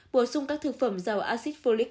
bổ sung các thực phẩm giàu acid folic